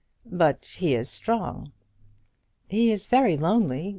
"But he is strong." "He is very lonely.